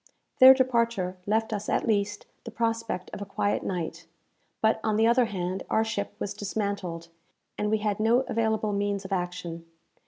Their departure left us at least the prospect of a quiet night; but, on the other hand, our ship was dismantled, and we had no available means of action.